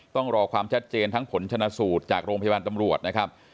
ต้องรอความชัดเจนทั้งผลชนะสูตรจากโรงพยาบาลตำรวจนะครับ